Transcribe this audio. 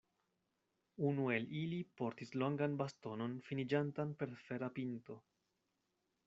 Unu el ili portis longan bastonon finiĝantan per fera pinto.